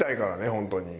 本当に。